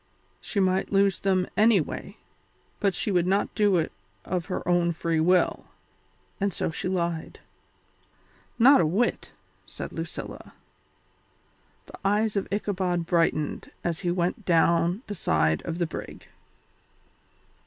She might lose them anyway, but she would not do it of her own free will, and so she lied. "Not a whit!" said Lucilla. The eyes of Ichabod brightened as he went down the side of the brig.